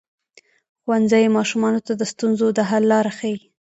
ښوونځی ماشومانو ته د ستونزو د حل لاره ښيي.